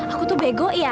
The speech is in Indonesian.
aku tuh bego ya